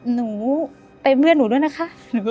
หนูไปเพื่อนหนูด้วยนะคะ